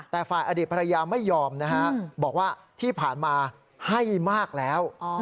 แต่ฝ่ายอดีตภรรยาไม่ยอมนะฮะบอกว่าที่ผ่านมาให้มากแล้ว